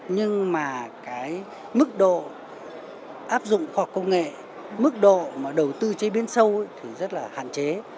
nhưng mà cái mức độ áp dụng khoa học công nghệ mức độ mà đầu tư chế biến sâu thì rất là hạn chế